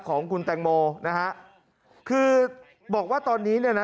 ของคุณแตงโมนะฮะคือบอกว่าตอนนี้เนี่ยนะ